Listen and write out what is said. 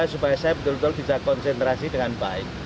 supaya saya betul betul bisa konsentrasi dengan baik